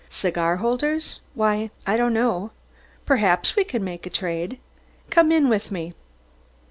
"Cigar holders? Why, I don't know; perhaps we can make a trade. Come in with me.